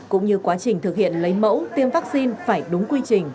cũng như quá trình thực hiện lấy mẫu tiêm vaccine phải đúng quy trình